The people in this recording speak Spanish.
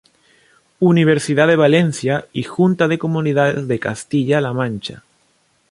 Universidad de Valencia y Junta de Comunidades de Castilla-La Mancha.